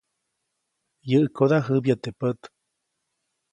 Yäʼkoda jäbya teʼ pät.